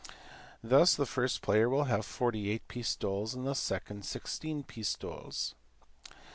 Thus the first player will have 48 pistoles and the second 16 pistoles.